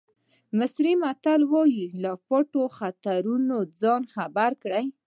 مصري متل وایي له پټو خطرونو ځان خبر کړئ.